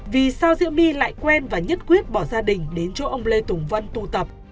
vì sao diễu my lại quen và nhất quyết bỏ gia đình đến chỗ ông lê tùng vân tụ tập